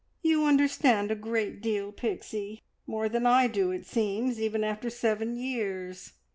"You understand a great deal, Pixie more than I do, it seems, even after seven years!